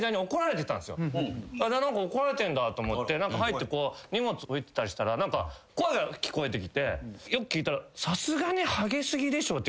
怒られてんだと思って入って荷物置いてたりしたら声が聞こえてきてよく聞いたら。